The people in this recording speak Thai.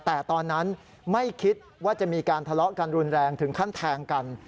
แต่ตอนนั้นไม่คิดว่าจะมีการทะเลาะกันรุนแรงถึงขั้นแทงกัน